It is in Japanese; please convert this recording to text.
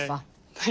はい。